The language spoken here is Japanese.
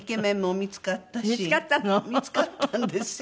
見付かったんですよ。